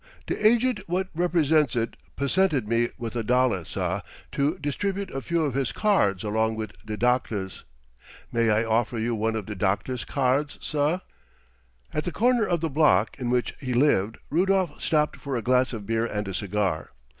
"De agent what represents it pussented me with a dollar, sah, to distribute a few of his cards along with de doctah's. May I offer you one of de doctah's cards, sah?" At the corner of the block in which he lived Rudolf stopped for a glass of beer and a cigar.